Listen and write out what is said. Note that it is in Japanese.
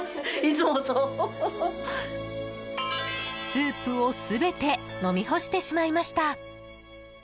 スープを全て飲み干してしまいました。